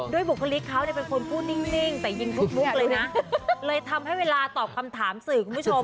บุคลิกเขาเนี่ยเป็นคนพูดนิ่งแต่ยิงทุกมุกเลยนะเลยทำให้เวลาตอบคำถามสื่อคุณผู้ชม